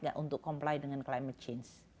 nggak untuk comply dengan climate change